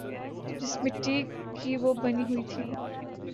جس مٹی کی وہ بنی ہوئی تھیں۔